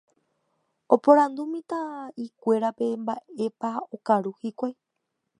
Oporandu mitã'ikúerape mba'épa okaru hikuái.